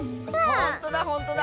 ほんとだほんとだ！